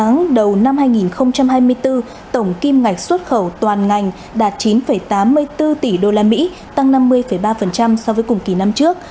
năm hai nghìn hai mươi bốn tổng kim ngạch xuất khẩu toàn ngành đạt chín tám mươi bốn tỷ đô la mỹ tăng năm mươi ba so với cùng kỳ năm trước